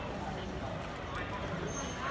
อันที่สุดท้ายก็คือภาษาอันที่สุดท้าย